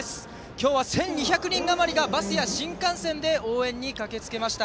今日は１２００人あまりがバスや新幹線で応援に駆けつけました。